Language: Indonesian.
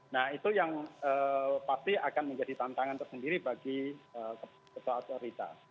nah itu yang pasti akan menjadi tantangan tersendiri bagi ketua otoritas